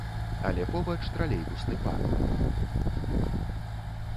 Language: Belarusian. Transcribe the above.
Але побач тралейбусны парк.